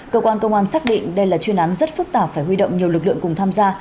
cơ quan công an xác định đây là chuyên án rất phức tạp phải huy động nhiều lực lượng cùng tham gia